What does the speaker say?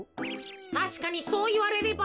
たしかにそういわれれば。